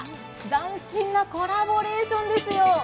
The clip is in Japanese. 斬新なコラボレーションですよ。